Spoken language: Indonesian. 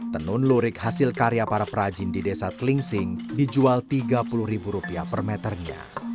tenun lurik hasil karya para perajin di desa tlingsing dijual rp tiga puluh per meternya